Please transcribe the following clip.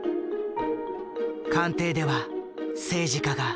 官邸では政治家が。